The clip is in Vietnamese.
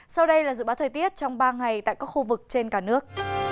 sau đây là dự báo thời tiết trong ba ngày tại các khu vực trên cả nước